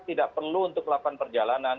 tidak perlu untuk melakukan perjalanan